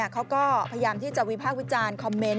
เขาก็พยายามที่จะวิพากษ์วิจารณ์คอมเมนต์